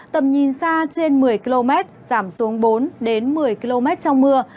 tầm nhìn xa trên một mươi km giảm xuống bốn một mươi km trong mưa